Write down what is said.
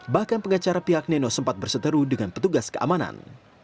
bahkan pengacara pihak neno sempat berseteru dengan petugas keamanan